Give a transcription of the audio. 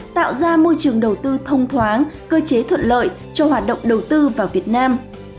tạo ra môi trường đầu tư thông thoáng cơ chế thuận lợi cho hoạt động đầu tư vào việt nam